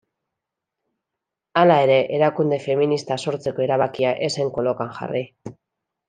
Hala ere, erakunde feminista sortzeko erabakia ez zen kolokan jarri.